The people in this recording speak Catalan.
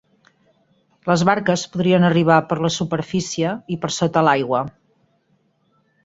Les barques podrien arribar per la superfície i per sota l'aigua.